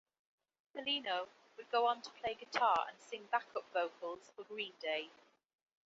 Pelino would go on to play guitar and sing backup vocals for Green Day.